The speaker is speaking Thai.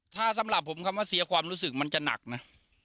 ถ้าสำหรับผมคำว่าเสียความรู้สึกมันจะหนักนะ